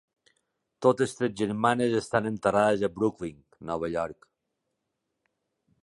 Totes tres germanes estan enterrades a Brooklyn, Nova York.